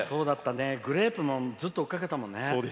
グレープもずっと追いかけたもんね。